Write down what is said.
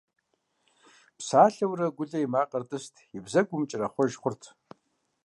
Псалъэурэ, Гулэ и макъыр тӀыст, и бзэгур мыкӀэрэхъуэж хъурт.